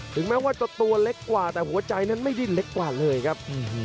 แม้ว่าจะตัวเล็กกว่าแต่หัวใจนั้นไม่ได้เล็กกว่าเลยครับ